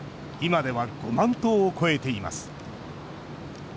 今では５万頭を超えています。